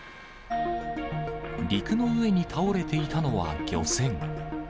陸の上に倒れていたのは漁船。